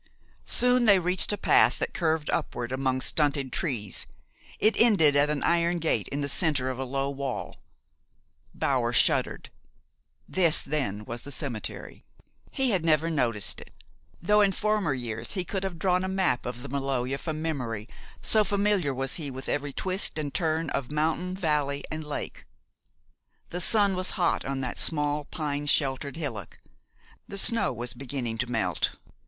Soon they reached a path that curved upward among stunted trees. It ended at an iron gate in the center of a low wall. Bower shuddered. This, then, was the cemetery. He had never noticed it, though in former years he could have drawn a map of the Maloja from memory, so familiar was he with every twist and turn of mountain, valley, and lake. The sun was hot on that small, pine sheltered hillock. The snow was beginning to melt.